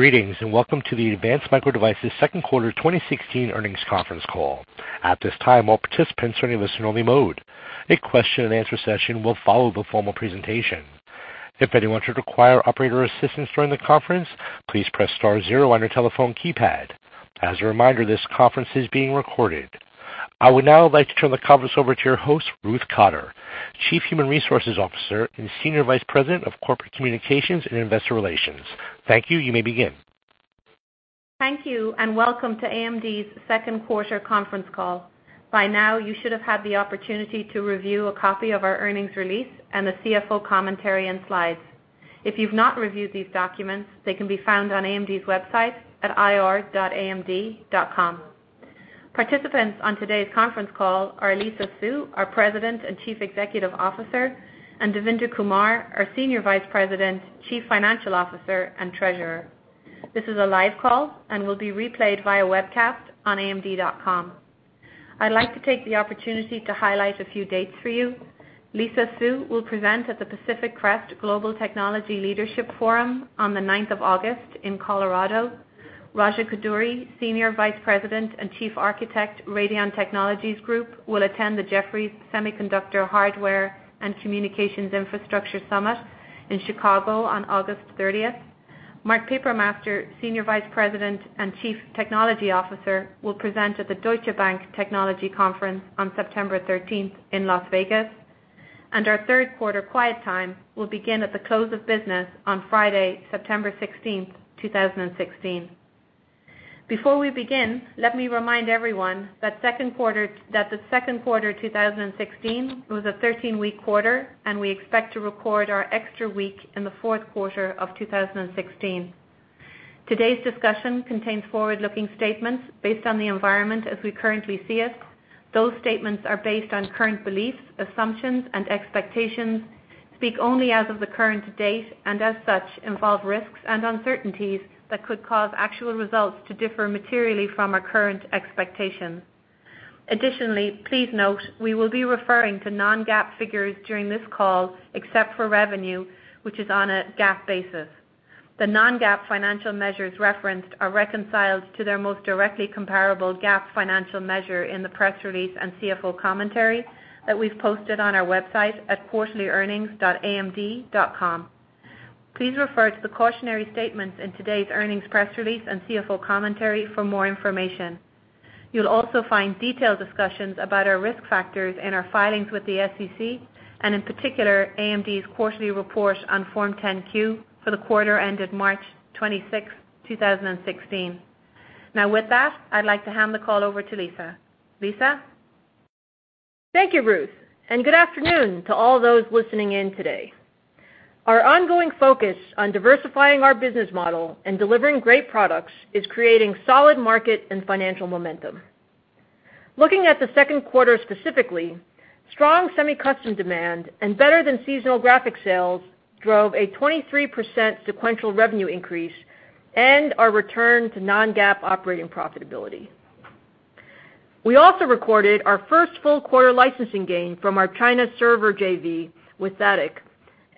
Greetings, and welcome to the Advanced Micro Devices second quarter 2016 earnings conference call. At this time, all participants are in a listen-only mode. A question and answer session will follow the formal presentation. If anyone should require operator assistance during the conference, please press star zero on your telephone keypad. As a reminder, this conference is being recorded. I would now like to turn the conference over to your host, Ruth Cotter, Chief Human Resources Officer and Senior Vice President, Corporate Communications and Investor Relations. Thank you. You may begin. Thank you, and welcome to AMD's second quarter conference call. By now, you should have had the opportunity to review a copy of our earnings release and the CFO commentary and slides. If you've not reviewed these documents, they can be found on ir.amd.com. Participants on today's conference call are Lisa Su, President and Chief Executive Officer, and Devinder Kumar, Senior Vice President, Chief Financial Officer, and Treasurer. This is a live call and will be replayed via webcast on amd.com. I'd like to take the opportunity to highlight a few dates for you. Lisa Su will present at the Pacific Crest Global Technology Leadership Forum on the ninth of August in Colorado. Raja Koduri, Senior Vice President and Chief Architect, Radeon Technologies Group, will attend the Jefferies Semiconductor, Hardware and Communications Infrastructure Summit in Chicago on August 30th. Mark Papermaster, Senior Vice President and Chief Technology Officer, will present at the Deutsche Bank Technology Conference on September 13th in Las Vegas. Our third quarter quiet time will begin at the close of business on Friday, September 16th, 2016. Before we begin, let me remind everyone that the second quarter 2016 was a 13-week quarter, and we expect to record our extra week in the fourth quarter of 2016. Today's discussion contains forward-looking statements based on the environment as we currently see it. Those statements are based on current beliefs, assumptions, and expectations, speak only as of the current date, and as such, involve risks and uncertainties that could cause actual results to differ materially from our current expectations. Additionally, please note, we will be referring to non-GAAP figures during this call, except for revenue, which is on a GAAP basis. The non-GAAP financial measures referenced are reconciled to their most directly comparable GAAP financial measure in the press release and CFO commentary that we've posted on our website at quarterlyearnings.amd.com. Please refer to the cautionary statements in today's earnings press release and CFO commentary for more information. You'll also find detailed discussions about our risk factors in our filings with the SEC, and in particular, AMD's quarterly report on Form 10-Q for the quarter ended March 26th, 2016. With that, I'd like to hand the call over to Lisa. Lisa? Thank you, Ruth, and good afternoon to all those listening in today. Our ongoing focus on diversifying our business model and delivering great products is creating solid market and financial momentum. Looking at the second quarter specifically, strong semi-custom demand and better-than-seasonal graphic sales drove a 23% sequential revenue increase and our return to non-GAAP operating profitability. We also recorded our first full quarter licensing gain from our China server JV with THATIC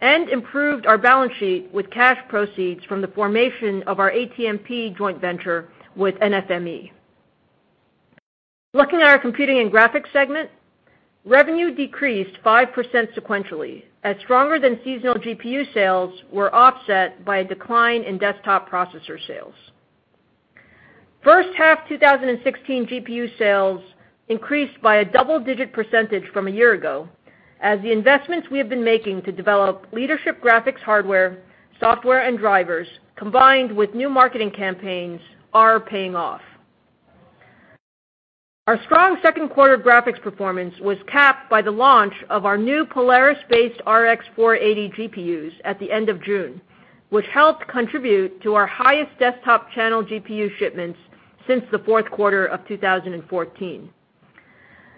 and improved our balance sheet with cash proceeds from the formation of our ATMP joint venture with NFME. Looking at our computing and graphics segment, revenue decreased 5% sequentially as stronger-than-seasonal GPU sales were offset by a decline in desktop processor sales. First half 2016 GPU sales increased by a double-digit percentage from a year ago, as the investments we have been making to develop leadership graphics hardware, software, and drivers, combined with new marketing campaigns, are paying off. Our strong second quarter graphics performance was capped by the launch of our new Polaris-based RX 480 GPUs at the end of June, which helped contribute to our highest desktop channel GPU shipments since the fourth quarter of 2014.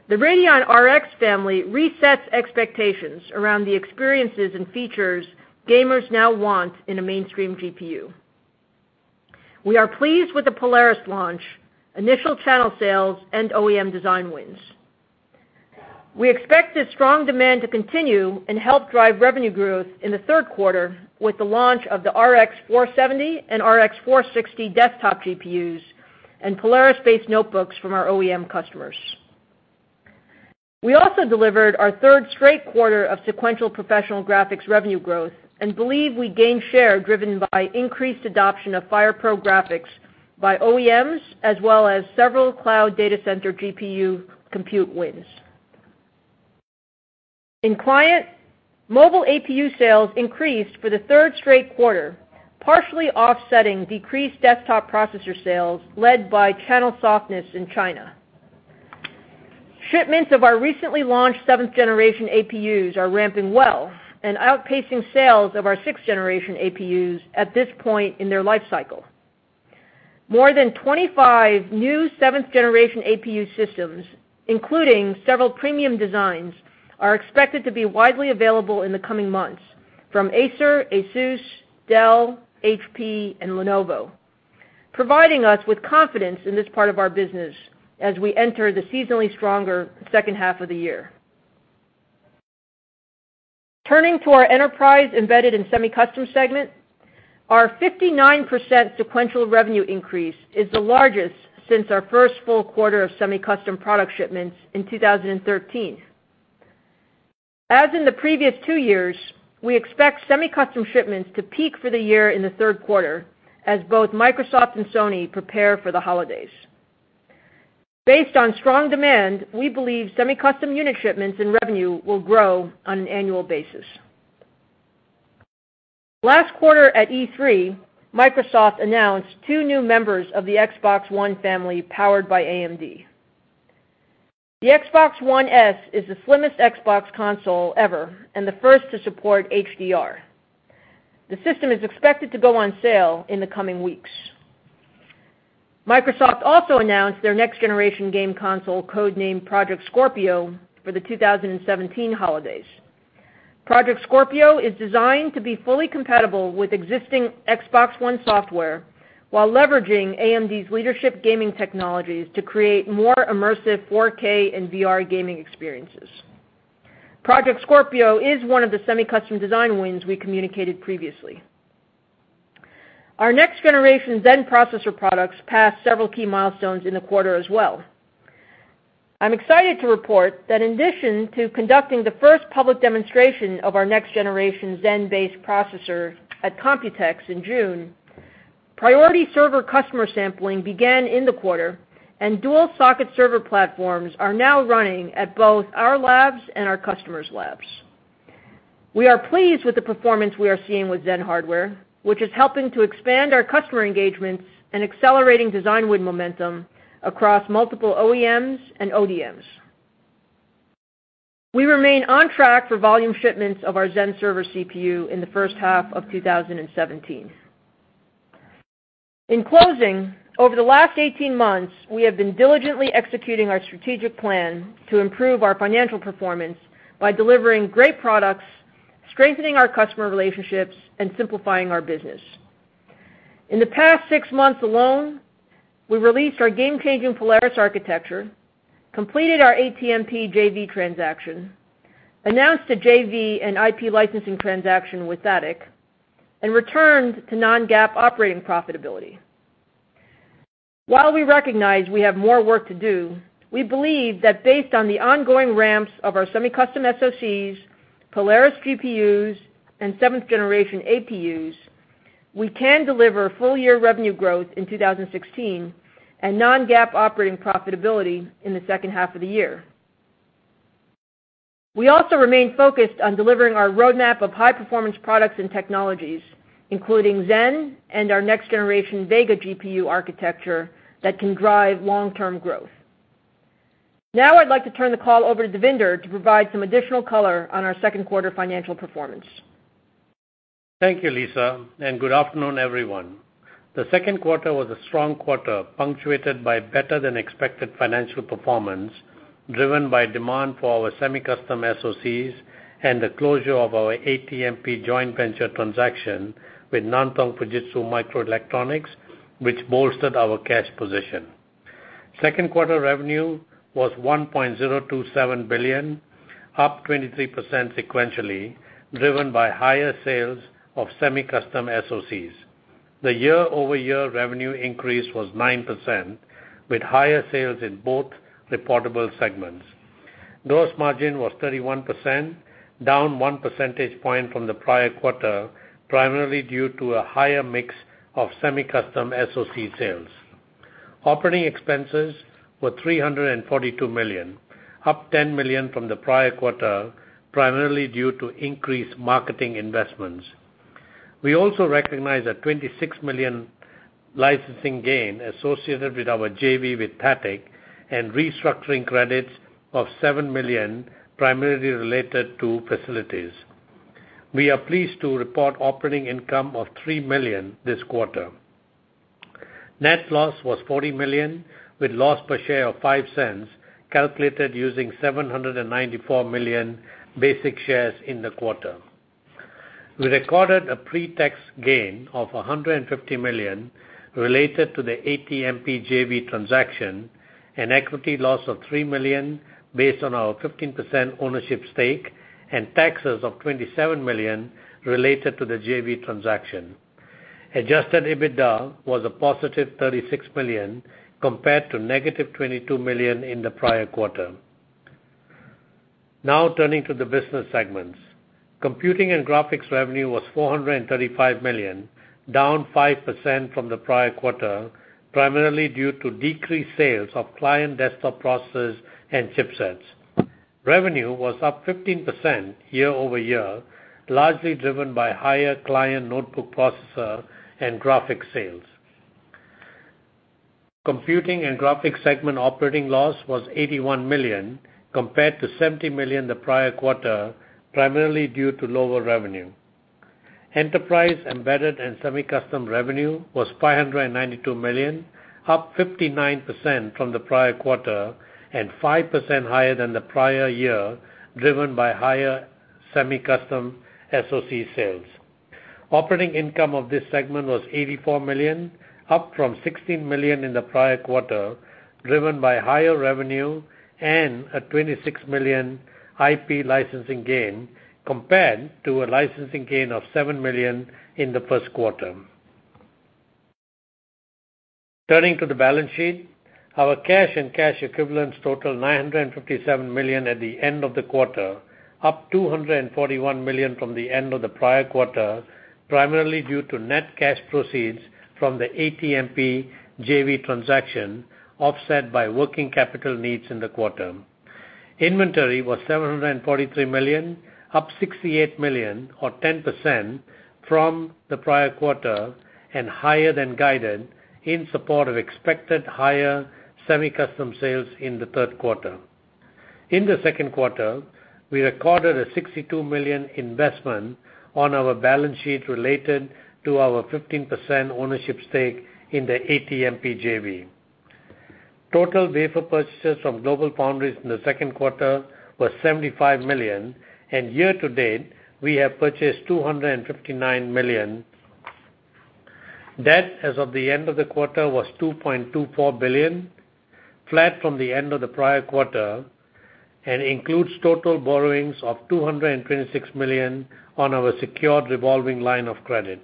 The Radeon RX family resets expectations around the experiences and features gamers now want in a mainstream GPU. We are pleased with the Polaris launch, initial channel sales, and OEM design wins. We expect this strong demand to continue and help drive revenue growth in the third quarter with the launch of the RX 470 and RX 460 desktop GPUs and Polaris-based notebooks from our OEM customers. We also delivered our third straight quarter of sequential professional graphics revenue growth and believe we gained share driven by increased adoption of FirePro graphics by OEMs as well as several cloud data center GPU compute wins. In client, mobile APU sales increased for the third straight quarter, partially offsetting decreased desktop processor sales led by channel softness in China. Shipments of our recently launched seventh-generation APUs are ramping well and outpacing sales of our sixth-generation APUs at this point in their life cycle. More than 25 new seventh-generation APU systems, including several premium designs, are expected to be widely available in the coming months. From Acer, ASUS, Dell, HP, and Lenovo, providing us with confidence in this part of our business as we enter the seasonally stronger second half of the year. Turning to our enterprise embedded and semi-custom segment, our 59% sequential revenue increase is the largest since our first full quarter of semi-custom product shipments in 2013. As in the previous two years, we expect semi-custom shipments to peak for the year in the third quarter, as both Microsoft and Sony prepare for the holidays. Based on strong demand, we believe semi-custom unit shipments and revenue will grow on an annual basis. Last quarter at E3, Microsoft announced two new members of the Xbox One family powered by AMD. The Xbox One S is the slimmest Xbox console ever and the first to support HDR. The system is expected to go on sale in the coming weeks. Microsoft also announced their next-generation game console, code-named Project Scorpio, for the 2017 holidays. Project Scorpio is designed to be fully compatible with existing Xbox One software while leveraging AMD's leadership gaming technologies to create more immersive 4K and VR gaming experiences. Project Scorpio is one of the semi-custom design wins we communicated previously. Our next-generation Zen processor products passed several key milestones in the quarter as well. I'm excited to report that in addition to conducting the first public demonstration of our next-generation Zen-based processor at Computex in June, priority server customer sampling began in the quarter, and dual-socket server platforms are now running at both our labs and our customers' labs. We are pleased with the performance we are seeing with Zen hardware, which is helping to expand our customer engagements and accelerating design win momentum across multiple OEMs and ODMs. We remain on track for volume shipments of our Zen server CPU in the first half of 2017. In closing, over the last 18 months, we have been diligently executing our strategic plan to improve our financial performance by delivering great products, strengthening our customer relationships, and simplifying our business. In the past six months alone, we released our game-changing Polaris architecture, completed our ATMP JV transaction, announced a JV and IP licensing transaction with THATIC, and returned to non-GAAP operating profitability. While we recognize we have more work to do, we believe that based on the ongoing ramps of our semi-custom SOCs, Polaris GPUs, and seventh-generation APUs, we can deliver full-year revenue growth in 2016 and non-GAAP operating profitability in the second half of the year. We also remain focused on delivering our roadmap of high-performance products and technologies, including Zen and our next-generation Vega GPU architecture that can drive long-term growth. I'd like to turn the call over to Devinder to provide some additional color on our second quarter financial performance. Thank you, Lisa, and good afternoon, everyone. The second quarter was a strong quarter, punctuated by better-than-expected financial performance, driven by demand for our semi-custom SOCs and the closure of our ATMP joint venture transaction with Nantong Fujitsu Microelectronics, which bolstered our cash position. Second quarter revenue was $1.027 billion, up 23% sequentially, driven by higher sales of semi-custom SOCs. The year-over-year revenue increase was 9%, with higher sales in both reportable segments. Gross margin was 31%, down one percentage point from the prior quarter, primarily due to a higher mix of semi-custom SOC sales. Operating expenses were $342 million, up $10 million from the prior quarter, primarily due to increased marketing investments. We also recognized a $26 million licensing gain associated with our JV with THATIC and restructuring credits of $7 million, primarily related to facilities. We are pleased to report operating income of $3 million this quarter. Net loss was $40 million, with loss per share of $0.05, calculated using 794 million basic shares in the quarter. We recorded a pre-tax gain of $150 million related to the ATMP JV transaction, an equity loss of $3 million based on our 15% ownership stake, and taxes of $27 million related to the JV transaction. Adjusted EBITDA was a positive $36 million compared to negative $22 million in the prior quarter. Turning to the business segments. Computing and graphics revenue was $435 million, down 5% from the prior quarter, primarily due to decreased sales of client desktop processors and chipsets. Revenue was up 15% year-over-year, largely driven by higher client notebook processor and graphics sales. Computing and graphics segment operating loss was $81 million compared to $70 million the prior quarter, primarily due to lower revenue. Enterprise embedded and semi-custom revenue was $592 million, up 59% from the prior quarter, and 5% higher than the prior year, driven by higher semi-custom SoC sales. Operating income of this segment was $84 million, up from $16 million in the prior quarter, driven by higher revenue and a $26 million IP licensing gain compared to a licensing gain of $7 million in the first quarter. Turning to the balance sheet, our cash and cash equivalents total $957 million at the end of the quarter, up $241 million from the end of the prior quarter, primarily due to net cash proceeds from the ATMP JV transaction, offset by working capital needs in the quarter. Inventory was $743 million, up $68 million or 10% from the prior quarter, and higher than guided in support of expected higher semi-custom sales in the third quarter. In the second quarter, we recorded a $62 million investment on our balance sheet related to our 15% ownership stake in the ATMP JV. Total wafer purchases from GlobalFoundries in the second quarter were $75 million, and year-to-date, we have purchased $259 million. Debt as of the end of the quarter was $2.24 billion, flat from the end of the prior quarter and includes total borrowings of $226 million on our secured revolving line of credit.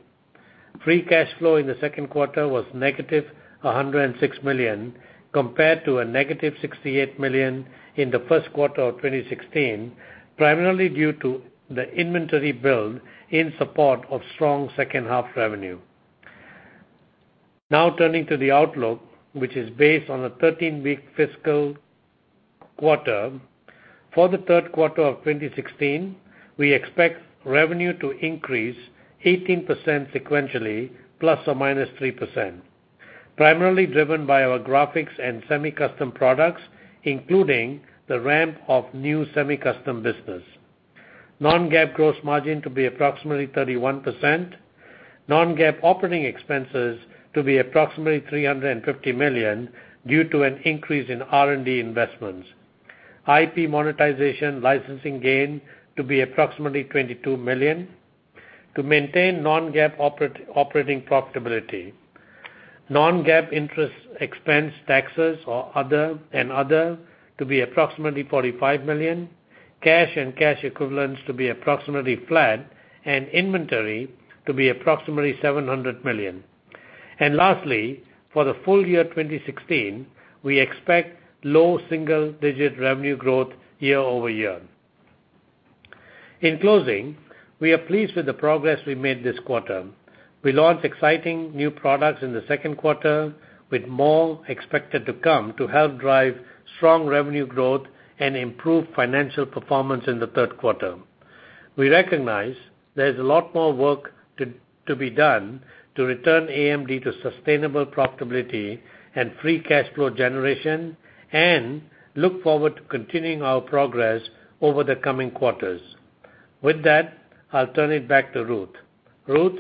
Free cash flow in the second quarter was negative $106 million compared to a negative $68 million in the first quarter of 2016, primarily due to the inventory build in support of strong second-half revenue. Turning to the outlook, which is based on a 13-week fiscal quarter. For the third quarter of 2016, we expect revenue to increase 18% sequentially, ±3%, primarily driven by our graphics and semi-custom products, including the ramp of new semi-custom business. Non-GAAP gross margin to be approximately 31%. Non-GAAP operating expenses to be approximately $350 million due to an increase in R&D investments. IP monetization licensing gain to be approximately $22 million, to maintain non-GAAP operating profitability. Non-GAAP interest expense taxes and other, to be approximately $45 million, cash and cash equivalents to be approximately flat, and inventory to be approximately $700 million. Lastly, for the full year 2016, we expect low single-digit revenue growth year-over-year. In closing, we are pleased with the progress we made this quarter. We launched exciting new products in the second quarter, with more expected to come to help drive strong revenue growth and improve financial performance in the third quarter. We recognize there's a lot more work to be done to return AMD to sustainable profitability and free cash flow generation and look forward to continuing our progress over the coming quarters. With that, I'll turn it back to Ruth. Ruth?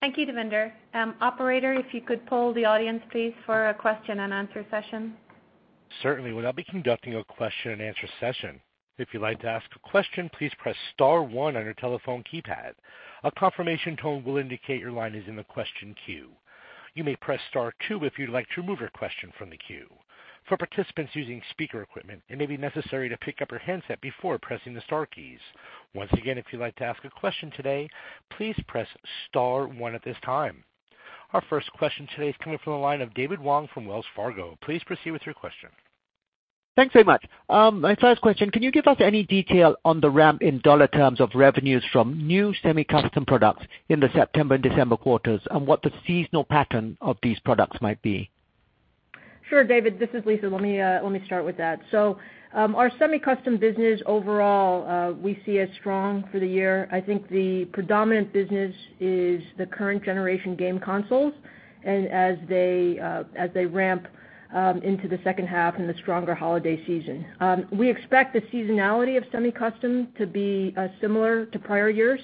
Thank you, Devinder. Operator, if you could poll the audience, please, for a question and answer session. Certainly. We'll now be conducting a question and answer session. If you'd like to ask a question, please press star one on your telephone keypad. A confirmation tone will indicate your line is in the question queue. You may press star two if you'd like to remove your question from the queue. For participants using speaker equipment, it may be necessary to pick up your handset before pressing the star keys. Once again, if you'd like to ask a question today, please press star one at this time. Our first question today is coming from the line of David Wong from Wells Fargo. Please proceed with your question. Thanks very much. My first question, can you give us any detail on the ramp in dollar terms of revenues from new semi-custom products in the September and December quarters, and what the seasonal pattern of these products might be? Sure, David. This is Lisa. Let me start with that. Our semi-custom business overall, we see as strong for the year. I think the predominant business is the current generation game consoles, and as they ramp into the second half and the stronger holiday season. We expect the seasonality of semi-custom to be similar to prior years,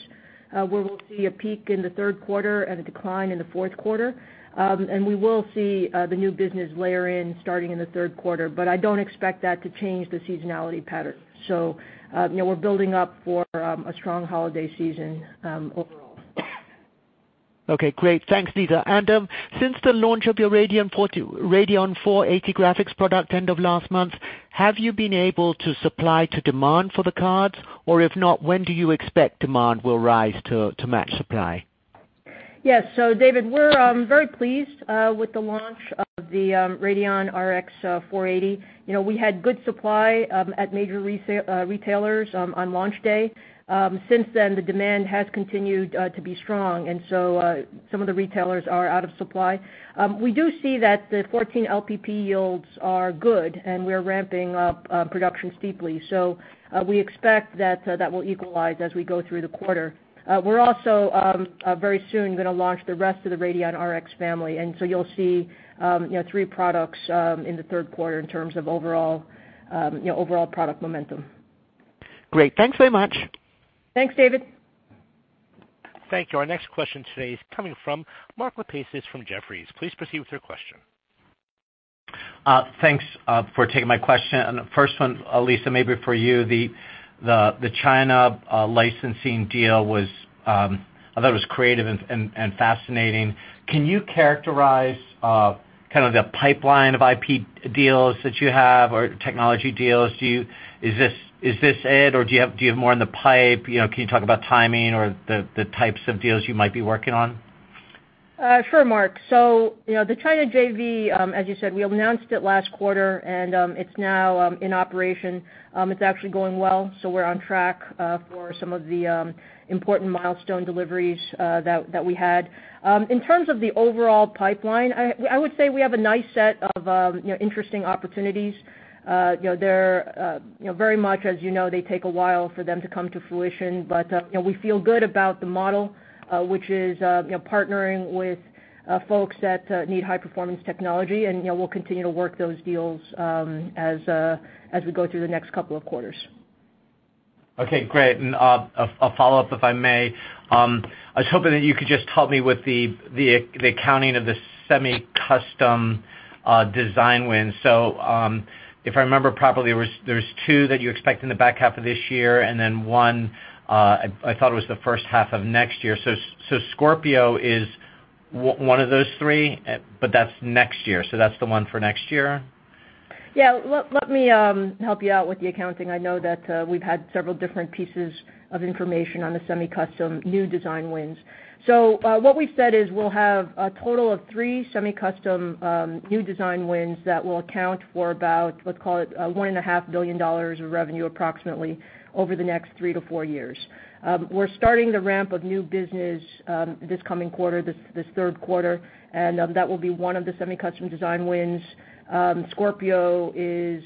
where we'll see a peak in the third quarter and a decline in the fourth quarter. We will see the new business layer in starting in the third quarter, but I don't expect that to change the seasonality pattern. We're building up for a strong holiday season overall. Okay, great. Thanks, Lisa. Since the launch of your Radeon 480 graphics product end of last month, have you been able to supply to demand for the cards? If not, when do you expect demand will rise to match supply? Yes. David, we're very pleased with the launch of the Radeon RX 480. We had good supply at major retailers on launch day. Since then, the demand has continued to be strong, some of the retailers are out of supply. We do see that the 14nm LPP yields are good, and we're ramping up production steeply. We expect that that will equalize as we go through the quarter. We're also very soon going to launch the rest of the Radeon RX family, you'll see three products in the third quarter in terms of overall product momentum. Great. Thanks very much. Thanks, David. Thank you. Our next question today is coming from Mark Lipacis from Jefferies. Please proceed with your question. Thanks for taking my question. The first one, Lisa, maybe for you, the China licensing deal, I thought it was creative and fascinating. Can you characterize the pipeline of IP deals that you have or technology deals? Is this it, or do you have more in the pipe? Can you talk about timing or the types of deals you might be working on? Sure, Mark. The China JV, as you said, we announced it last quarter, and it's now in operation. It's actually going well. We're on track for some of the important milestone deliveries that we had. In terms of the overall pipeline, I would say we have a nice set of interesting opportunities. Very much as you know, they take a while for them to come to fruition. We feel good about the model, which is partnering with folks that need high-performance technology, and we'll continue to work those deals as we go through the next couple of quarters. Okay, great. A follow-up, if I may. I was hoping that you could just help me with the accounting of the semi-custom design wins. If I remember properly, there's two that you expect in the back half of this year, and then one I thought it was the first half of next year. Scorpio is one of those three, but that's next year. That's the one for next year? Yeah, let me help you out with the accounting. I know that we've had several different pieces of information on the semi-custom new design wins. What we've said is we'll have a total of three semi-custom new design wins that will account for about, let's call it, $1.5 billion of revenue approximately over the next three to four years. We're starting the ramp of new business this coming quarter, this third quarter, and that will be one of the semi-custom design wins. Scorpio is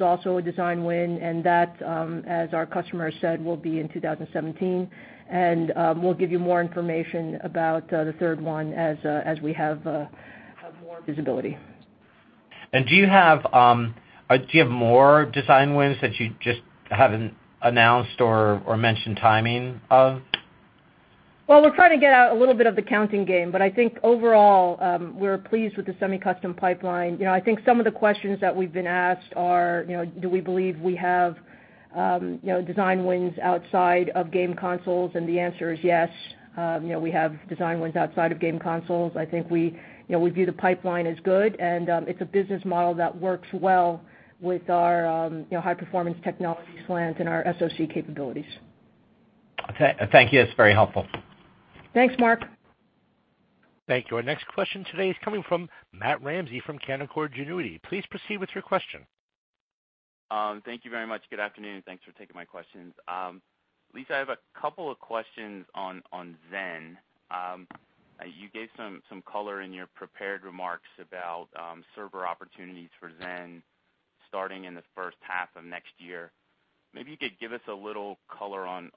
also a design win, and that, as our customer said, will be in 2017, and we'll give you more information about the third one as we have more visibility. Do you have more design wins that you just haven't announced or mentioned timing of? Well, we're trying to get out a little bit of the counting game, but I think overall, we're pleased with the semi-custom pipeline. I think some of the questions that we've been asked are, do we believe we have design wins outside of game consoles? The answer is yes, we have design wins outside of game consoles. I think we view the pipeline as good, and it's a business model that works well with our high-performance technology slant and our SOC capabilities. Okay, thank you. That's very helpful. Thanks, Mark. Thank you. Our next question today is coming from Matt Ramsay from Canaccord Genuity. Please proceed with your question. Thank you very much. Good afternoon. Thanks for taking my questions. Lisa, I have a couple of questions on Zen. You gave some color in your prepared remarks about server opportunities for Zen starting in the first half of next year. Maybe you could give us a little color on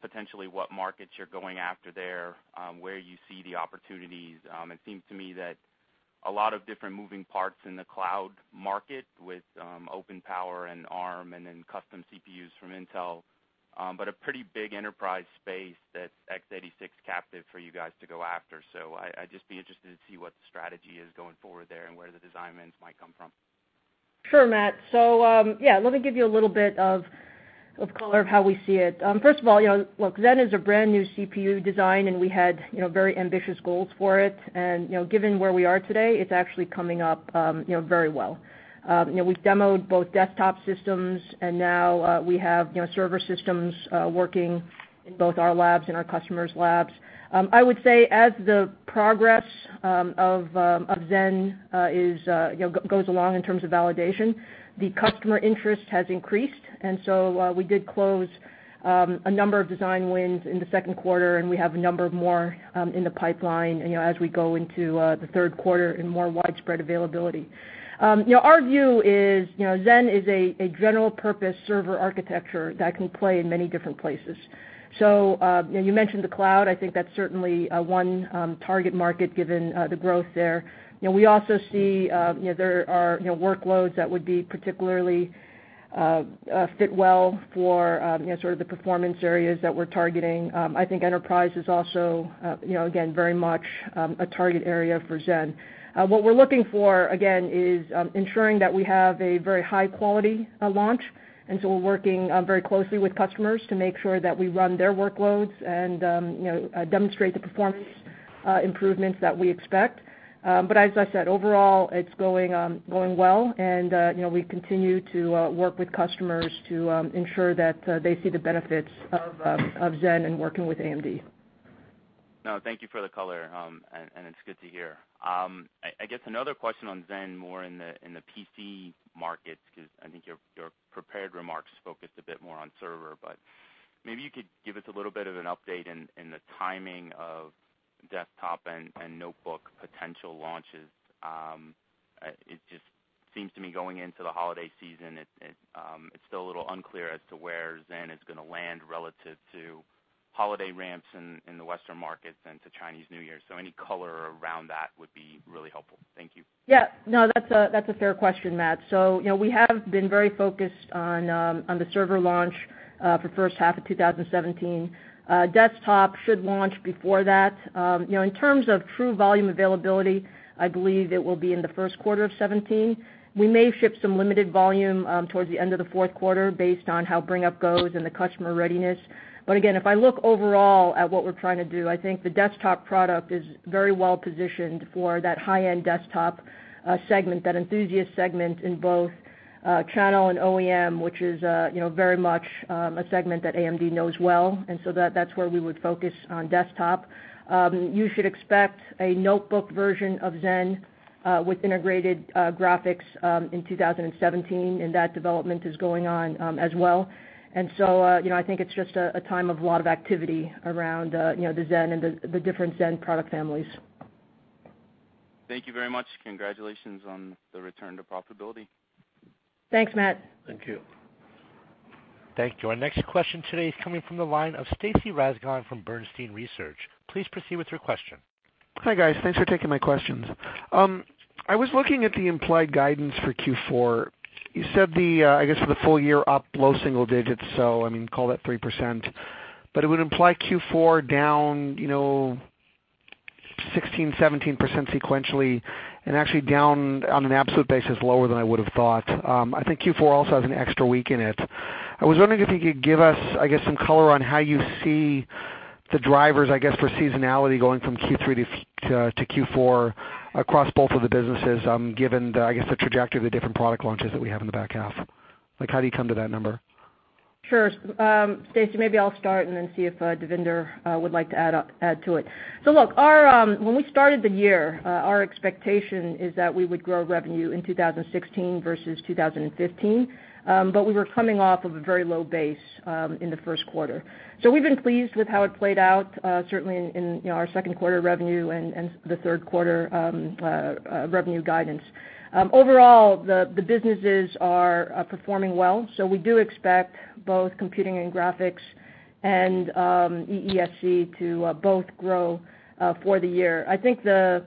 potentially what markets you're going after there, where you see the opportunities. It seems to me that a lot of different moving parts in the cloud market with OpenPOWER and Arm and then custom CPUs from Intel. A pretty big enterprise space that's x86 captive for you guys to go after. I'd just be interested to see what the strategy is going forward there and where the design wins might come from. Sure, Matt. Yeah, let me give you a little bit of color of how we see it. First of all, look, Zen is a brand-new CPU design, we had very ambitious goals for it. Given where we are today, it's actually coming up very well. We've demoed both desktop systems, and now we have server systems working in both our labs and our customers' labs. I would say as the progress of Zen goes along in terms of validation, the customer interest has increased, we did close a number of design wins in the second quarter, and we have a number more in the pipeline, as we go into the third quarter and more widespread availability. Our view is Zen is a general purpose server architecture that can play in many different places. You mentioned the cloud. I think that's certainly one target market given the growth there. We also see there are workloads that would particularly fit well for the performance areas that we're targeting. I think enterprise is also, again, very much a target area for Zen. What we're looking for, again, is ensuring that we have a very high-quality launch, we're working very closely with customers to make sure that we run their workloads and demonstrate the performance improvements that we expect. As I said, overall, it's going well, and we continue to work with customers to ensure that they see the benefits of Zen and working with AMD. Thank you for the color, and it's good to hear. I guess another question on Zen, more in the PC markets, because I think your prepared remarks focused a bit more on server, maybe you could give us a little bit of an update in the timing of desktop and notebook potential launches. It just seems to me going into the holiday season, it's still a little unclear as to where Zen is going to land relative to holiday ramps in the Western markets and to Chinese New Year. Any color around that would be really helpful. Thank you. That's a fair question, Matt. We have been very focused on the server launch. For the first half of 2017. Desktop should launch before that. In terms of true volume availability, I believe it will be in the first quarter of 2017. We may ship some limited volume towards the end of the fourth quarter based on how bring-up goes and the customer readiness. Again, if I look overall at what we're trying to do, I think the desktop product is very well-positioned for that high-end desktop segment, that enthusiast segment in both channel and OEM, which is very much a segment that AMD knows well. That's where we would focus on desktop. You should expect a notebook version of Zen with integrated graphics in 2017, and that development is going on as well. I think it's just a time of a lot of activity around the Zen and the different Zen product families. Thank you very much. Congratulations on the return to profitability. Thanks, Matt. Thank you. Thank you. Our next question today is coming from the line of Stacy Rasgon from Bernstein Research. Please proceed with your question. Hi, guys. Thanks for taking my questions. I was looking at the implied guidance for Q4. You said, I guess, for the full year up low single digits, so call that 3%, but it would imply Q4 down 16%, 17% sequentially and actually down on an absolute basis lower than I would've thought. I think Q4 also has an extra week in it. I was wondering if you could give us, I guess, some color on how you see the drivers, I guess, for seasonality going from Q3 to Q4 across both of the businesses, given the, I guess, the trajectory of the different product launches that we have in the back half. How do you come to that number? Sure. Stacy, maybe I'll start and then see if Devinder would like to add to it. Look, when we started the year, our expectation is that we would grow revenue in 2016 versus 2015. We were coming off of a very low base in the first quarter. We've been pleased with how it played out, certainly in our second quarter revenue and the third quarter revenue guidance. Overall, the businesses are performing well. We do expect both computing and graphics and EESC to both grow for the year. I think the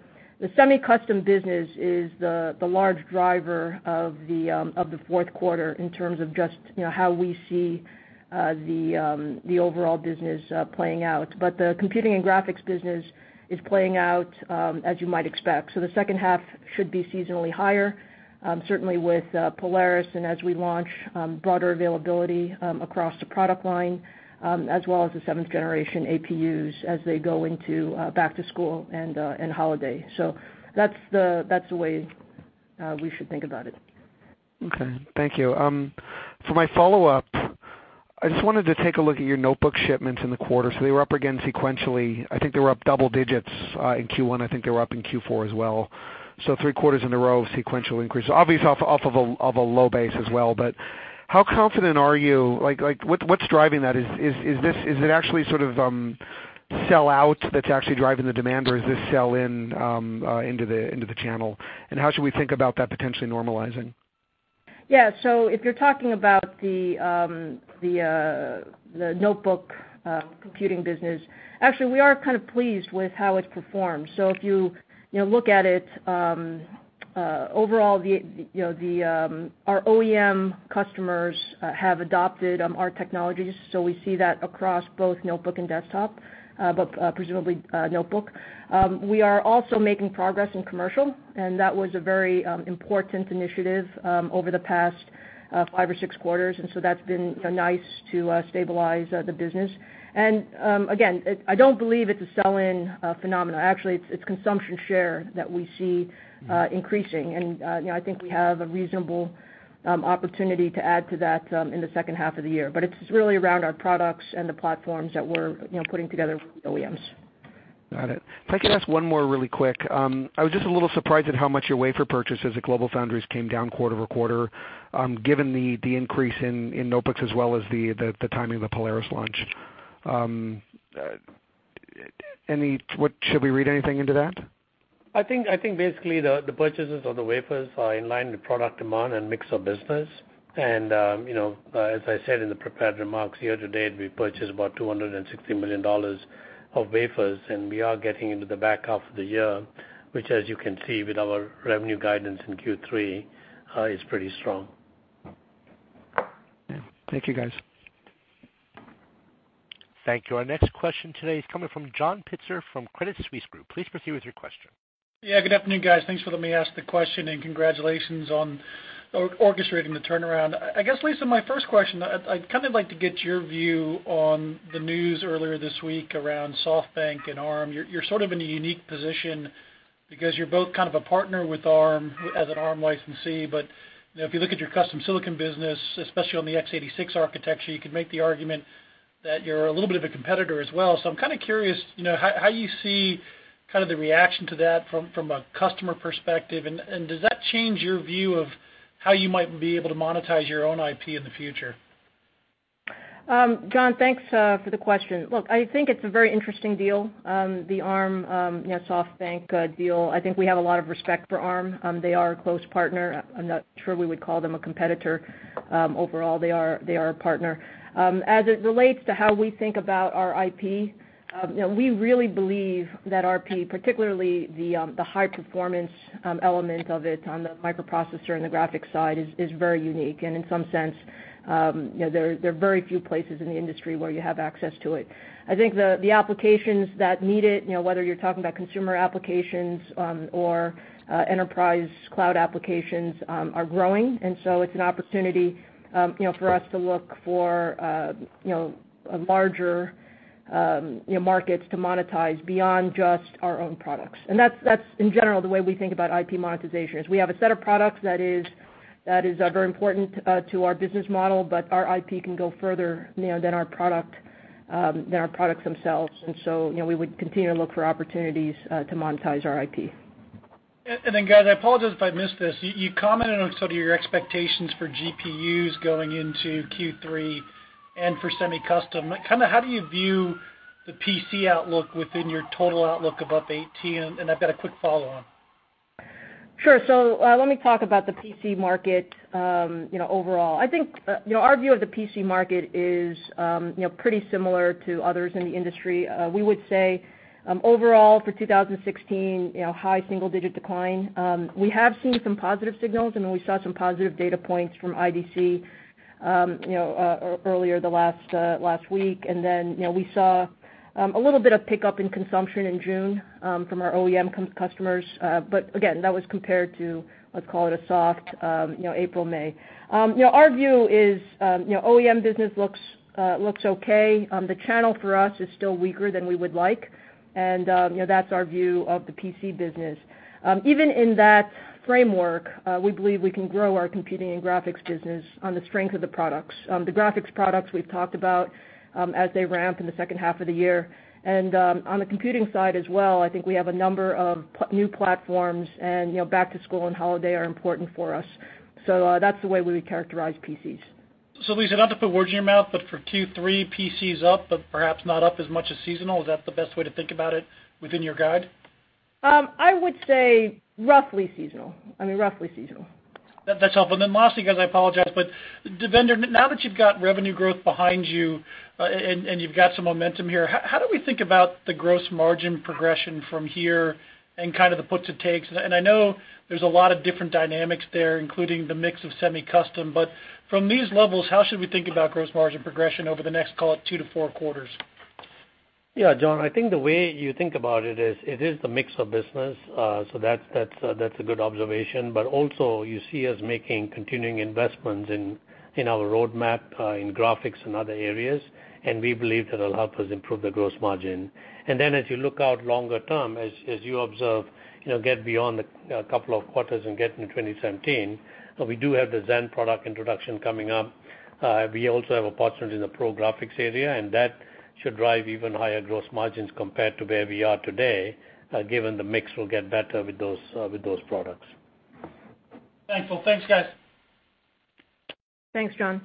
semi-custom business is the large driver of the fourth quarter in terms of just how we see the overall business playing out. The computing and graphics business is playing out as you might expect. The second half should be seasonally higher, certainly with Polaris and as we launch broader availability across the product line, as well as the 7th-generation APUs as they go into back to school and holiday. That's the way we should think about it. Okay, thank you. For my follow-up, I just wanted to take a look at your notebook shipments in the quarter. They were up again sequentially. I think they were up double digits in Q1. I think they were up in Q4 as well. Three quarters in a row of sequential increase, obvious off of a low base as well. How confident are you? What's driving that? Is it actually sort of sell-out that's actually driving the demand, or is this sell-in into the channel, and how should we think about that potentially normalizing? Yeah. If you're talking about the notebook computing business, actually, we are kind of pleased with how it's performed. If you look at it, overall our OEM customers have adopted our technologies, we see that across both notebook and desktop, but presumably notebook. We are also making progress in commercial, and that was a very important initiative over the past five or six quarters, that's been nice to stabilize the business. Again, I don't believe it's a sell-in phenomenon. Actually, it's consumption share that we see increasing, and I think we have a reasonable opportunity to add to that in the second half of the year. It's really around our products and the platforms that we're putting together for the OEMs. Got it. If I could ask one more really quick. I was just a little surprised at how much your wafer purchases at GlobalFoundries came down quarter-over-quarter, given the increase in notebooks as well as the timing of the Polaris launch. Should we read anything into that? I think basically the purchases of the wafers are in line with product demand and mix of business. As I said in the prepared remarks here today, we purchased about $260 million of wafers, and we are getting into the back half of the year, which as you can see with our revenue guidance in Q3, is pretty strong. Okay. Thank you, guys. Thank you. Our next question today is coming from John Pitzer from Credit Suisse Group. Please proceed with your question. Good afternoon, guys. Thanks for letting me ask the question and congratulations on orchestrating the turnaround. I guess, Lisa, my first question, I'd like to get your view on the news earlier this week around SoftBank and Arm. You're sort of in a unique position because you're both kind of a partner with Arm as an Arm licensee. If you look at your custom silicon business, especially on the x86 architecture, you could make the argument that you're a little bit of a competitor as well. I'm kind of curious how you see the reaction to that from a customer perspective, does that change your view of how you might be able to monetize your own IP in the future? John, thanks for the question. Look, I think it's a very interesting deal, the Arm, SoftBank deal. I think we have a lot of respect for Arm. They are a close partner. I'm not sure we would call them a competitor. Overall, they are a partner. As it relates to how we think about our IP, we really believe that our IP, particularly the high-performance element of it on the microprocessor and the graphics side, is very unique. In some sense, there are very few places in the industry where you have access to it. I think the applications that need it, whether you're talking about consumer applications or enterprise cloud applications, are growing. It's an opportunity for us to look for larger markets to monetize beyond just our own products. That's, in general, the way we think about IP monetization, is we have a set of products that is very important to our business model, but our IP can go further than our products themselves. We would continue to look for opportunities to monetize our IP. Guys, I apologize if I missed this. You commented on sort of your expectations for GPUs going into Q3 and for semi-custom. How do you view the PC outlook within your total outlook of up 18? I've got a quick follow on. Sure. Let me talk about the PC market overall. I think our view of the PC market is pretty similar to others in the industry. We would say, overall for 2016, high single-digit decline. We have seen some positive signals, we saw some positive data points from IDC earlier the last week. We saw a little bit of pickup in consumption in June from our OEM customers. Again, that was compared to, let's call it a soft April, May. Our view is OEM business looks okay. The channel for us is still weaker than we would like, and that's our view of the PC business. Even in that framework, we believe we can grow our computing and graphics business on the strength of the products. The graphics products we've talked about as they ramp in the second half of the year. On the computing side as well, I think we have a number of new platforms, and back to school and holiday are important for us. That's the way we would characterize PCs. Lisa, not to put words in your mouth, but for Q3, PCs up, but perhaps not up as much as seasonal. Is that the best way to think about it within your guide? I would say roughly seasonal. I mean, roughly seasonal. That's helpful. Lastly, guys, I apologize, but Devinder, now that you've got revenue growth behind you and you've got some momentum here, how do we think about the gross margin progression from here and kind of the puts and takes? I know there's a lot of different dynamics there, including the mix of semi-custom, but from these levels, how should we think about gross margin progression over the next, call it two to four quarters? Yeah, John, I think the way you think about it is, it is the mix of business. That's a good observation. Also you see us making continuing investments in our roadmap in graphics and other areas, and we believe that'll help us improve the gross margin. Then as you look out longer term, as you observe, get beyond a couple of quarters and get into 2017, we do have the Zen product introduction coming up. We also have a partner in the pro graphics area, and that should drive even higher gross margins compared to where we are today, given the mix will get better with those products. Thanks. Well, thanks guys. Thanks, John.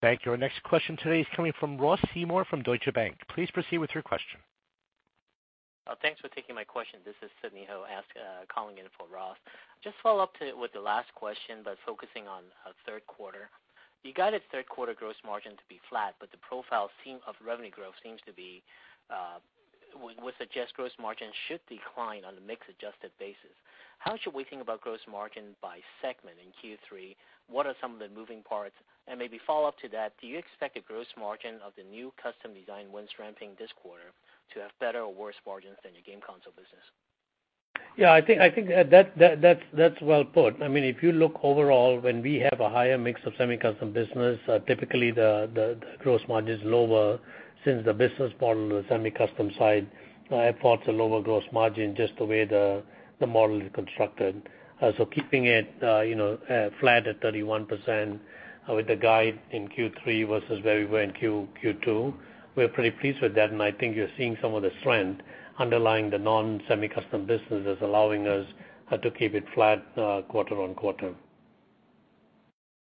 Thank you. Our next question today is coming from Ross Seymore from Deutsche Bank. Please proceed with your question. Thanks for taking my question. This is Sidney Ho calling in for Ross. Just follow up to with the last question, but focusing on third quarter. You guided third quarter gross margin to be flat, but the profile of revenue growth seems to be, would suggest gross margin should decline on a mix-adjusted basis. How should we think about gross margin by segment in Q3? What are some of the moving parts? Maybe follow up to that, do you expect the gross margin of the new custom design ones ramping this quarter to have better or worse margins than your game console business? I think that's well put. If you look overall, when we have a higher mix of semi-custom business, typically the gross margin's lower since the business model of the semi-custom side affords a lower gross margin, just the way the model is constructed. Keeping it flat at 31% with the guide in Q3 versus where we were in Q2, we're pretty pleased with that, and I think you're seeing some of the strength underlying the non-semi-custom business that's allowing us to keep it flat quarter-on-quarter.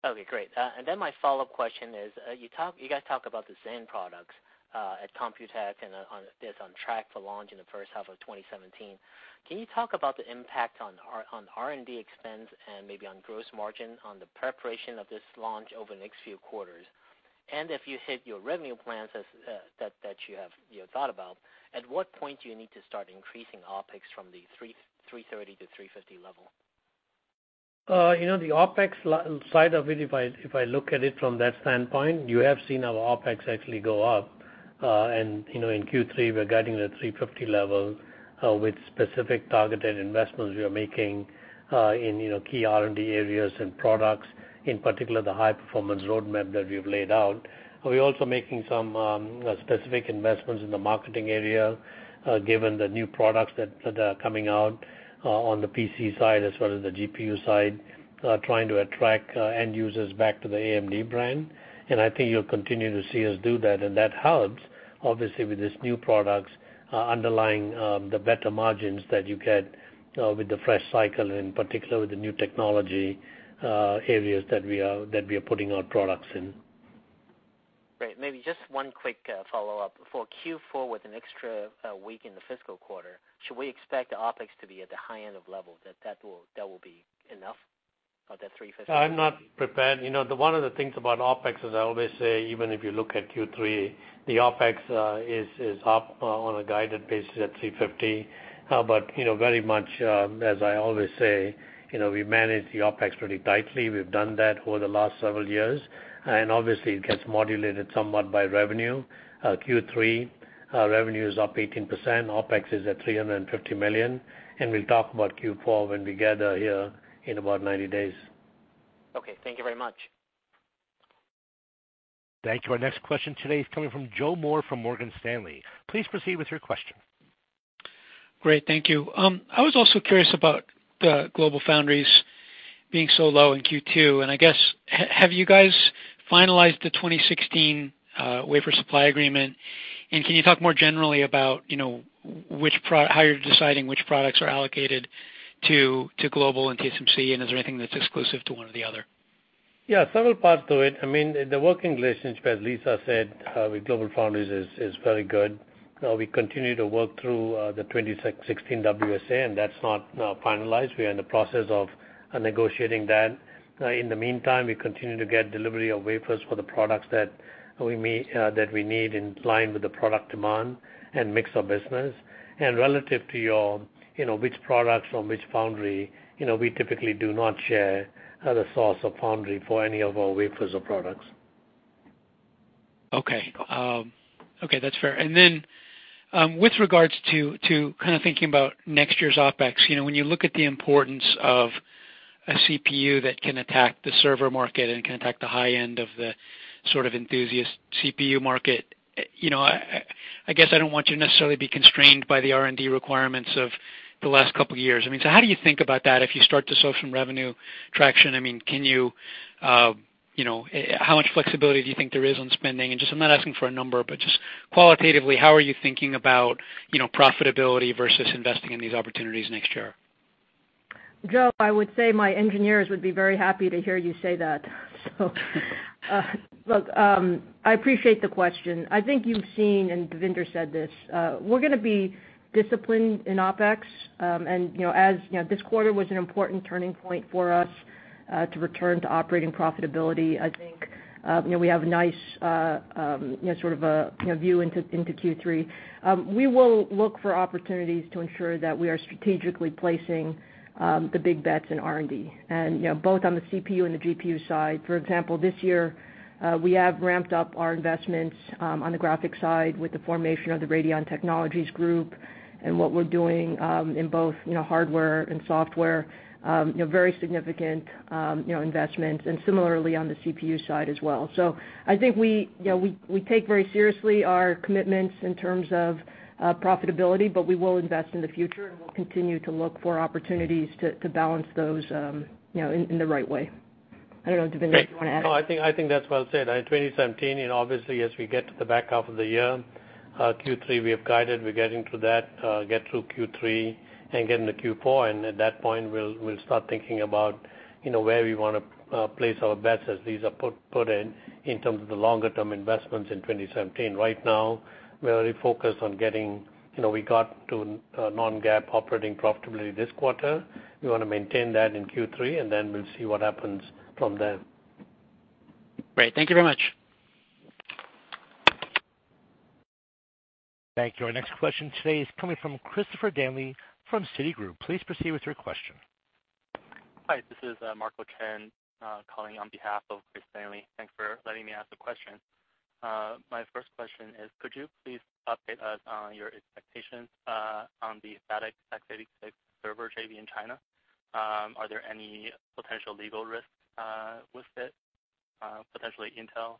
Okay, great. My follow-up question is, you guys talk about the Zen products at COMPUTEX, and it's on track for launch in the first half of 2017. Can you talk about the impact on R&D expense and maybe on gross margin on the preparation of this launch over the next few quarters? If you hit your revenue plans that you have thought about, at what point do you need to start increasing OpEx from the $330 million to $350 million level? The OpEx side of it, if I look at it from that standpoint, you have seen our OpEx actually go up. In Q3, we're guiding at $350 million level with specific targeted investments we are making in key R&D areas and products, in particular the high-performance roadmap that we've laid out. We're also making some specific investments in the marketing area, given the new products that are coming out on the PC side as well as the GPU side, trying to attract end users back to the AMD brand, and I think you'll continue to see us do that. That helps, obviously, with these new products underlying the better margins that you get with the fresh cycle, and in particular with the new technology areas that we are putting our products in. Great. Maybe just one quick follow-up. For Q4 with an extra week in the fiscal quarter, should we expect the OpEx to be at the high end of level, that will be enough of that $350 million? I'm not prepared. One of the things about OpEx is I always say, even if you look at Q3, the OpEx is up on a guided basis at $350. Very much as I always say, we manage the OpEx pretty tightly. We've done that over the last several years, and obviously, it gets modulated somewhat by revenue. Q3 revenue is up 18%, OpEx is at $350 million, and we'll talk about Q4 when we gather here in about 90 days. Okay. Thank you very much. Thank you. Our next question today is coming from Joseph Moore from Morgan Stanley. Please proceed with your question. Great. Thank you. I was also curious about the GlobalFoundries being so low in Q2. I guess, have you guys finalized the 2016 wafer supply agreement? Can you talk more generally about how you're deciding which products are allocated to Global and TSMC, and is there anything that's exclusive to one or the other? Yeah, several parts to it. The working relationship, as Lisa said, with GlobalFoundries is very good. We continue to work through the 2016 WSA, that's not finalized. We are in the process of negotiating that. In the meantime, we continue to get delivery of wafers for the products that we need in line with the product demand mix of business. Relative to which products from which foundry, we typically do not share the source of foundry for any of our wafers or products. Okay. That's fair. Then, with regards to kind of thinking about next year's OpEx, when you look at the importance of a CPU that can attack the server market and can attack the high end of the sort of enthusiast CPU market, I guess I don't want you to necessarily be constrained by the R&D requirements of the last couple of years. How do you think about that if you start to show some revenue traction? How much flexibility do you think there is on spending? Just, I'm not asking for a number, but just qualitatively, how are you thinking about profitability versus investing in these opportunities next year? Joe, I would say my engineers would be very happy to hear you say that. Look, I appreciate the question. I think you've seen, Devinder said this, we're going to be disciplined in OpEx. As this quarter was an important turning point for us to return to operating profitability, I think we have a nice sort of a view into Q3. We will look for opportunities to ensure that we are strategically placing the big bets in R&D, both on the CPU and the GPU side. For example, this year, we have ramped up our investments on the graphic side with the formation of the Radeon Technologies Group and what we're doing in both hardware and software, very significant investment, similarly on the CPU side as well. I think we take very seriously our commitments in terms of profitability, but we will invest in the future, and we'll continue to look for opportunities to balance those in the right way. I don't know, Devinder, do you want to add? No, I think that's well said. In 2017, obviously as we get to the back half of the year, Q3, we have guided, we're getting to that, get through Q3 and get into Q4, and at that point we'll start thinking about where we want to place our bets as these are put in terms of the longer-term investments in 2017. Right now, we are really focused on we got to non-GAAP operating profitability this quarter. We want to maintain that in Q3. We'll see what happens from there. Great. Thank you very much. Thank you. Our next question today is coming from Christopher Danely from Citigroup. Please proceed with your question. Hi, this is Marco Chen, calling on behalf of Chris Danely. Thanks for letting me ask a question. My first question is, could you please update us on your expectations on the THATIC x86 server JV in China? Are there any potential legal risks with it? Potentially Intel?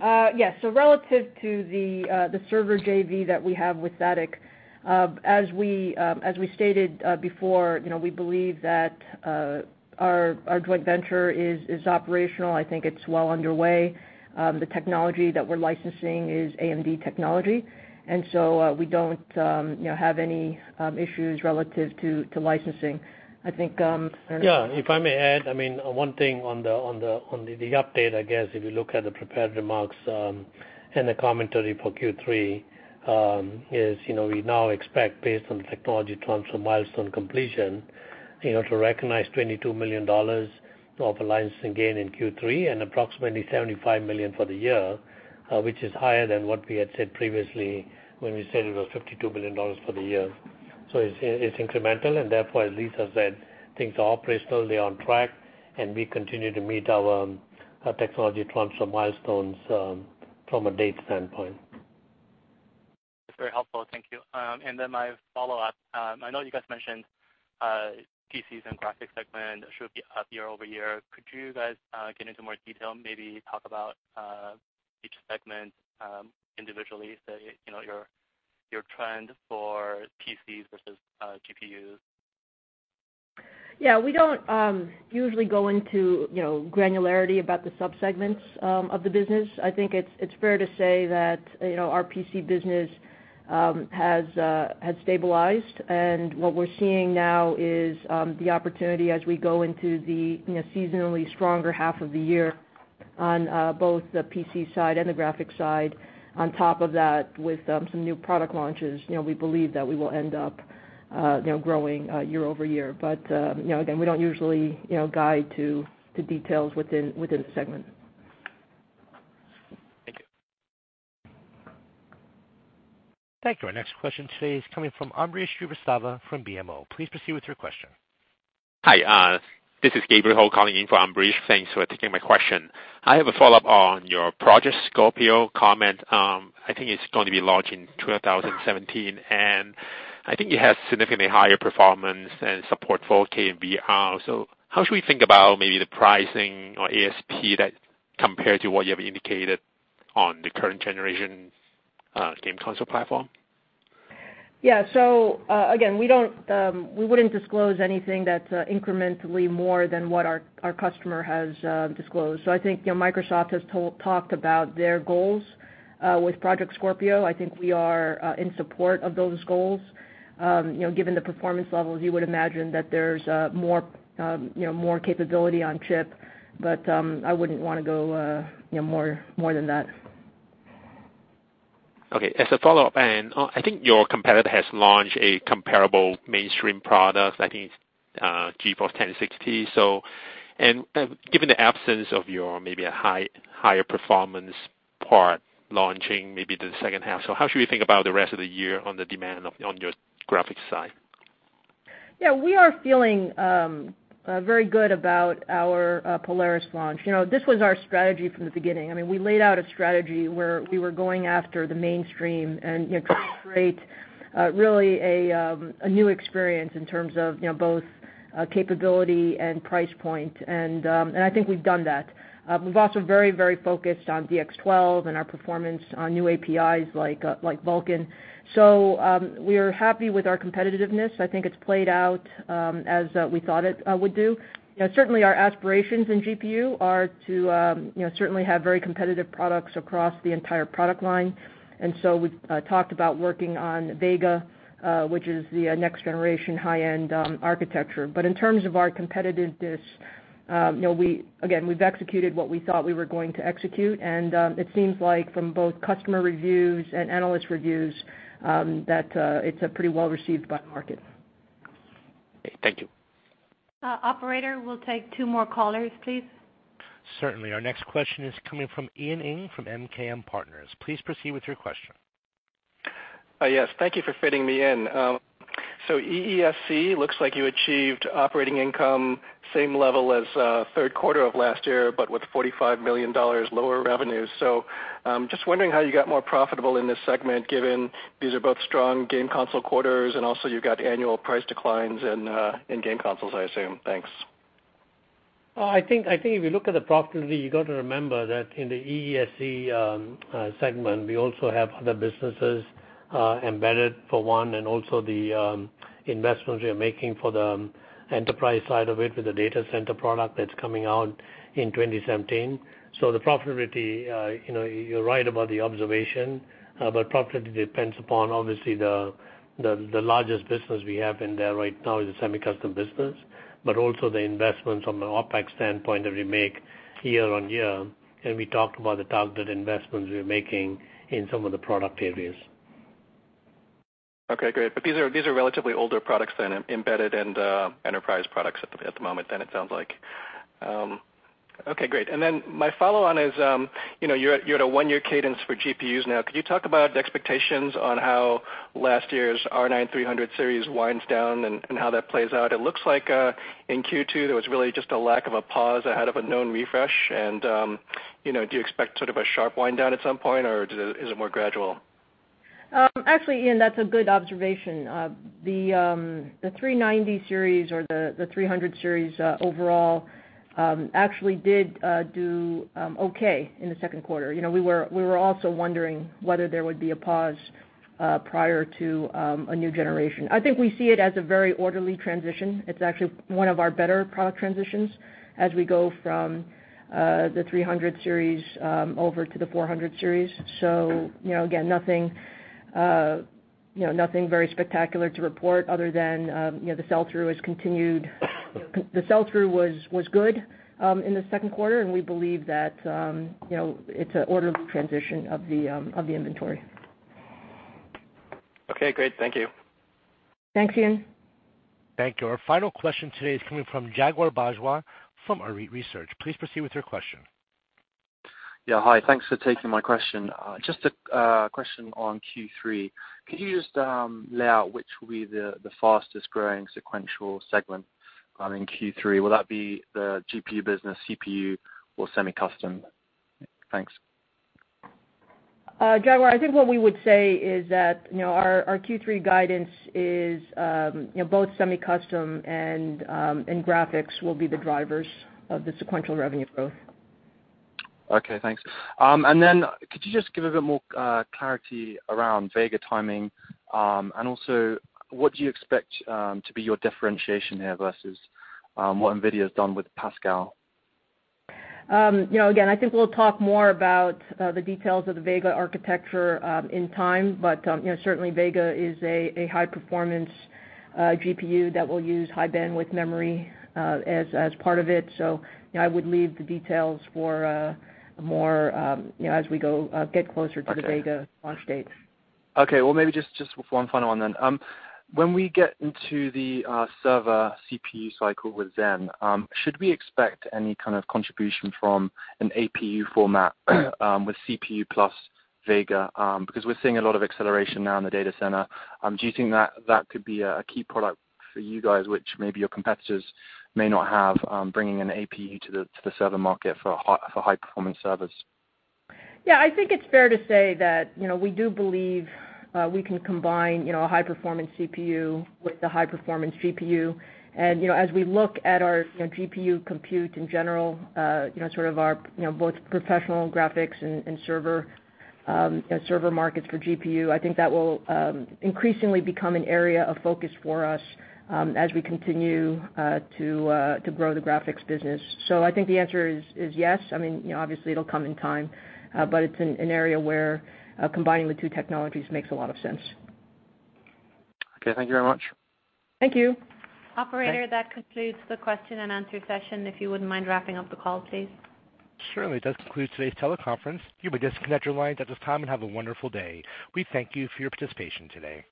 Yes. Relative to the server JV that we have with THATIC, as we stated before, we believe that our joint venture is operational. I think it's well underway. The technology that we're licensing is AMD technology, and we don't have any issues relative to licensing. Yeah, if I may add, one thing on the update, I guess, if you look at the prepared remarks, and the commentary for Q3, is we now expect based on technology transfer milestone completion, to recognize $22 million of licensing gain in Q3 and approximately $75 million for the year, which is higher than what we had said previously when we said it was $52 million for the year. It's incremental, and therefore, as Lisa said, things are operational, they're on track, and we continue to meet our technology transfer milestones from a date standpoint. That's very helpful. Thank you. My follow-up. I know you guys mentioned PCs and graphics segment should be up year-over-year. Could you guys get into more detail, maybe talk about each segment individually, say, your trend for PCs versus GPUs? Yeah, we don't usually go into granularity about the sub-segments of the business. I think it's fair to say that our PC business has stabilized, and what we're seeing now is the opportunity as we go into the seasonally stronger half of the year on both the PC side and the graphics side. On top of that, with some new product launches, we believe that we will end up growing year-over-year. Again, we don't usually guide to details within a segment. Thank you. Thank you. Our next question today is coming from Ambrish Srivastava from BMO. Please proceed with your question. Hi, this is Gabriel calling in for Ambrish. Thanks for taking my question. I have a follow-up on your Project Scorpio comment. I think it's going to be launched in 2017, and I think it has significantly higher performance and support 4K and VR. How should we think about maybe the pricing or ASP that compared to what you have indicated on the current generation game console platform? Yeah. Again, we wouldn't disclose anything that's incrementally more than what our customer has disclosed. I think Microsoft has talked about their goals with Project Scorpio. I think we are in support of those goals. Given the performance levels, you would imagine that there's more capability on chip. I wouldn't want to go more than that. Okay. As a follow-up, I think your competitor has launched a comparable mainstream product, I think it's GeForce 1060. Given the absence of your higher performance part launching maybe the second half, how should we think about the rest of the year on the demand on your graphics side? Yeah, we are feeling very good about our Polaris launch. This was our strategy from the beginning. We laid out a strategy where we were going after the mainstream and trying to create really a new experience in terms of both capability and price point, I think we've done that. We've also very, very focused on DX12 and our performance on new APIs like Vulkan. We're happy with our competitiveness. I think it's played out as we thought it would do. Certainly, our aspirations in GPU are to certainly have very competitive products across the entire product line. We talked about working on Vega, which is the next generation high-end architecture. In terms of our competitiveness, again, we've executed what we thought we were going to execute, and it seems like from both customer reviews and analyst reviews, that it's pretty well-received by the market. Okay. Thank you. Operator, we'll take two more callers, please. Certainly. Our next question is coming from Ian Ing from MKM Partners. Please proceed with your question. Yes. Thank you for fitting me in. EESC looks like you achieved operating income same level as third quarter of last year, but with $45 million lower revenues. Just wondering how you got more profitable in this segment, given these are both strong game console quarters, and also you've got annual price declines in game consoles, I assume. Thanks. I think if you look at the profitability, you got to remember that in the EESC segment, we also have other businesses, Embedded for one, and also the investments we are making for the enterprise side of it with the data center product that's coming out in 2017. The profitability, you're right about the observation. Profitability depends upon, obviously, the largest business we have in there right now is the semi-custom business, but also the investments from an OpEx standpoint that we make year-on-year. We talked about the targeted investments we're making in some of the product areas. Okay, great. But these are relatively older products than Embedded and enterprise products at the moment then, it sounds like. Okay, great. My follow-on is, you're at a one-year cadence for GPUs now. Could you talk about the expectations on how last year's R9 300 series winds down and how that plays out? It looks like in Q2, there was really just a lack of a pause ahead of a known refresh. Do you expect sort of a sharp wind down at some point, or is it more gradual? Actually, Ian, that's a good observation. The 390 series or the 300 series overall actually did do okay in the second quarter. We were also wondering whether there would be a pause prior to a new generation. I think we see it as a very orderly transition. It's actually one of our better product transitions as we go from the 300 series over to the 400 series. Again, nothing very spectacular to report other than the sell-through has continued. The sell-through was good in the second quarter, and we believe that it's an orderly transition of the inventory. Okay, great. Thank you. Thanks, Ian. Thank you. Our final question today is coming from Jagadish Bajwa from Arete Research. Please proceed with your question. Yeah. Hi, thanks for taking my question. Just a question on Q3. Could you just lay out which will be the fastest growing sequential segment in Q3? Will that be the GPU business, CPU, or semi-custom? Thanks. Jagadish, I think what we would say is that our Q3 guidance is both semi-custom and graphics will be the drivers of the sequential revenue growth. Okay, thanks. Could you just give a bit more clarity around Vega timing? Also, what do you expect to be your differentiation here versus what NVIDIA's done with Pascal? Again, I think we'll talk more about the details of the Vega architecture in time, but certainly Vega is a high-performance GPU that will use high bandwidth memory as part of it. I would leave the details for more as we get closer to the Vega launch date. Okay. Maybe just one final one. When we get into the server CPU cycle with Zen, should we expect any kind of contribution from an APU format with CPU plus Vega? We're seeing a lot of acceleration now in the data center. Do you think that could be a key product for you guys, which maybe your competitors may not have, bringing an APU to the server market for high performance servers? Yeah, I think it's fair to say that we do believe we can combine a high performance CPU with the high performance GPU. As we look at our GPU compute in general, sort of our both professional graphics and server markets for GPU, I think that will increasingly become an area of focus for us as we continue to grow the graphics business. I think the answer is yes. Obviously, it'll come in time, it's an area where combining the two technologies makes a lot of sense. Okay. Thank you very much. Thank you. Thanks. Operator, that concludes the question and answer session, if you wouldn't mind wrapping up the call, please. Certainly. That concludes today's teleconference. You may disconnect your lines at this time, and have a wonderful day. We thank you for your participation today.